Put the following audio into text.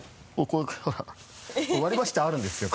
ほら割り箸ってあるんですよ